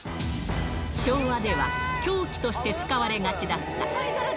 昭和では、凶器として使われがちだった。